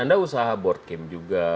anda usaha board game juga